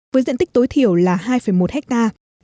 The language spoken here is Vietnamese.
với diện tích tối thiểu là hai một hectare